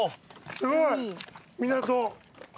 すごい。港。